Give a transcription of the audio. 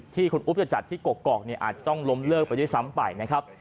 ที่คุณอุ๊บจะจัดที่กกอกเนี่ยอาจจะต้องล้มเลิกไปด้วยซ้ำไปนะครับ